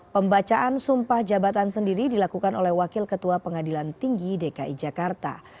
pembacaan sumpah jabatan sendiri dilakukan oleh wakil ketua pengadilan tinggi dki jakarta